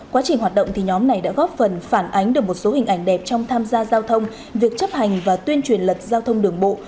quá trình hoạt động thì nhóm này đã góp phần phản ánh được một số hình ảnh đẹp trong tham gia giao thông việc chấp hành và tuyên truyền lật giao thông đường bộ